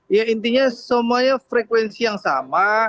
ya intinya semuanya frekuensi yang sama